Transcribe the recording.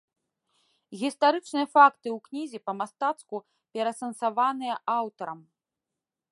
Гістарычныя факты ў кнізе па-мастацку пераасэнсаваныя аўтарам.